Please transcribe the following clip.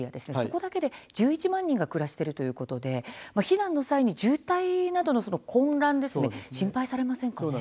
ここだけで１１万人が暮らしているということで避難の際に渋滞など混乱が心配されませんか？